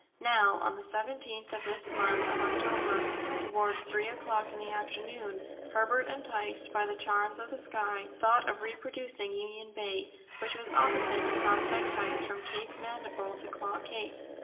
Now, on the 17th of this month of October, towards three o'clock in the afternoon, Herbert, enticed by the charms of the sky, thought of reproducing Union Bay, which was opposite to Prospect Heights, from Cape Mandible to Claw Cape.